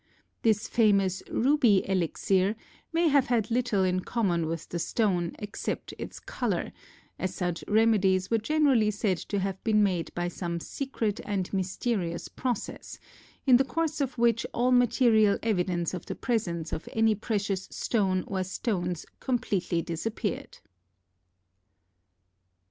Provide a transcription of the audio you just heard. This famous "ruby elixir" may have had little in common with the stone except its color, as such remedies were generally said to have been made by some secret and mysterious process, in the course of which all material evidence of the presence of any precious stone or stones completely disappeared.